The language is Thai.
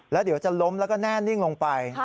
แล้วเดี๋ยวจะล้มแล้วก็แน่นิ่งลงไป